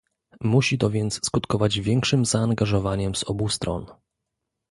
Musi to więc skutkować większym zaangażowaniem z obu stron